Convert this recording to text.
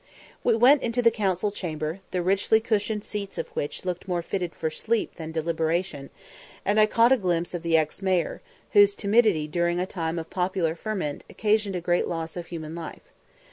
We went into the Council Chamber, the richly cushioned seats of which looked more fitted for sleep than deliberation; and I caught a glimpse of the ex mayor, whose timidity during a time of popular ferment occasioned a great loss of human life.